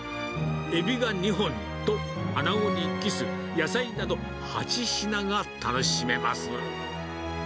エビが２本とアナゴにキス、野菜など８品が楽しめます。